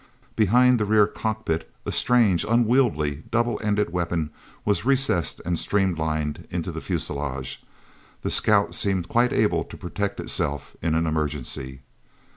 Behind the rear cockpit a strange, unwieldy, double ended weapon was recessed and streamlined into the fuselage. The scout seemed quite able to protect itself in an emergency.